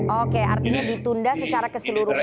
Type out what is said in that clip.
oke artinya ditunda secara keseluruhan